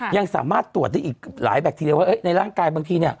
ยังสามารถตรวจได้อีกหลายแบคทีเดียวว่าในร่างกายบางทีเนี่ย